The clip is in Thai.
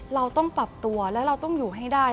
เราต้องปรับตัวและเราต้องอยู่ให้ได้